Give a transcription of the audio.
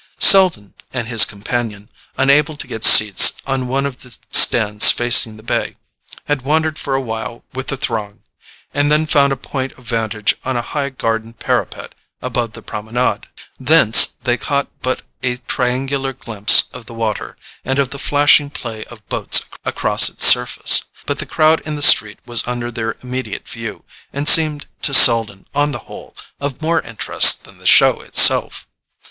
Selden and his companion, unable to get seats on one of the stands facing the bay, had wandered for a while with the throng, and then found a point of vantage on a high garden parapet above the Promenade. Thence they caught but a triangular glimpse of the water, and of the flashing play of boats across its surface; but the crowd in the street was under their immediate view, and seemed to Selden, on the whole, of more interest than the show itself.